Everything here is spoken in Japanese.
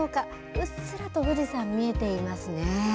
うっすらと富士山、見えていますね。